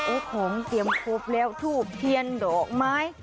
โอ้โหของเตรียมครบแล้วทูบเทียนดอกไม้